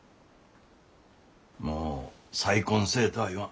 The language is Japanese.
もう再婚せえとは言わん。